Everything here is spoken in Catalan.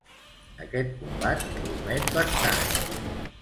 Aquest combat promet bastant.